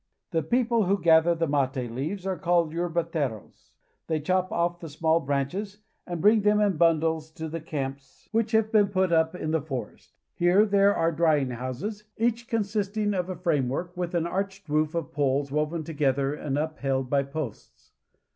The people who gather the mate leaves are called yerbateros (yer ba ta^r5s). They chop off the small branches and bring them in bundles to the camps which have been put up in the forest. Here there are drying houses, each consisting of a framework with an arched roof of poles woven together and upheld by posts.